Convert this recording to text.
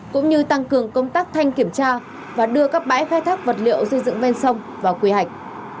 cũng như tăng cường công tác thanh kiểm tra và đưa các bãi khai thác vật liệu xây dựng ven sông vào quy hoạch